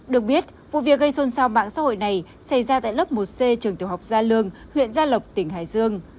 được biết vụ việc gây xôn xao mạng xã hội này xảy ra tại lớp một c trường tiểu học gia lương huyện gia lộc tỉnh hải dương